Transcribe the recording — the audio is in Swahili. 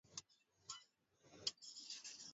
iliyokuwa imebaki baada ya kuvunjika kwa dola